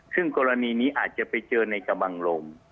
ซึ่งกรณีนี้อาจจะไปเจอในกระบังลม